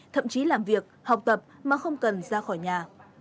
thậm chí làm việc học tập mà không cần ra khỏi nhà